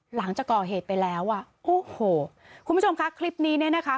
หลังจากก่อเหตุไปแล้วอ่ะโอ้โหคุณผู้ชมคะคลิปนี้เนี่ยนะคะ